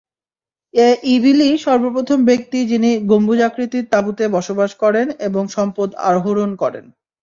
এ ইবিলই সর্বপ্রথম ব্যক্তি যিনি গম্বুজাকৃতির তাঁবুতে বসবাস করেন এবং সম্পদ আহরণ করেন।